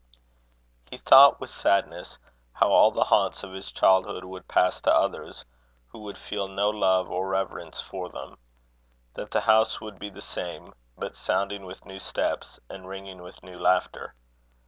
He thought with sadness, how all the haunts of his childhood would pass to others, who would feel no love or reverence for them; that the house would be the same, but sounding with new steps, and ringing with new laughter.